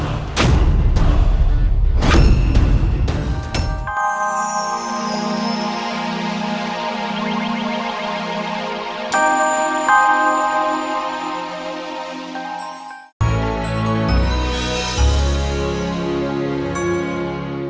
karena aku telah menyelamatkan nyawa